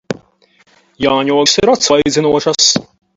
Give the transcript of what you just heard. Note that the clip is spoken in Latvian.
Jāņogas ir atsvaidzinošas.